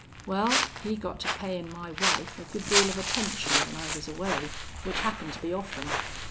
Well, he got to payin' my wife a good deal of attention when I was away, which happened to be often.